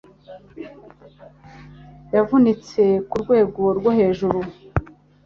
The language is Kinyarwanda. Yavunitse kurwego rwo hejuru